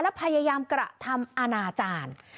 และพยายามกระทำอนาจารย์